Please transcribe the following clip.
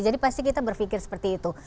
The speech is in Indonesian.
jadi pasti kita berpikir seperti itu